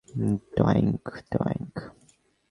ডয়েঙ্ক, ডয়েঙ্ক!